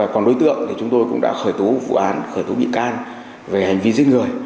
còn đối tượng thì chúng tôi cũng đã khởi tố vụ án khởi tố bị can về hành vi giết người